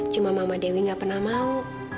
cuma mama dewi gak pernah mau